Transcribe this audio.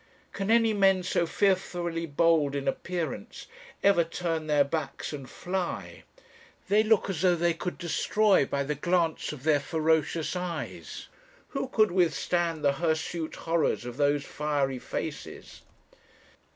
Can any men so fearfully bold in appearance ever turn their backs and fly? They look as though they could destroy by the glance of their ferocious eyes. Who could withstand the hirsute horrors of those fiery faces?